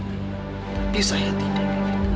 tapi saya tidak